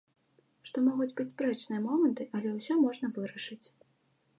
Што могуць быць спрэчныя моманты, але ўсё можна вырашыць.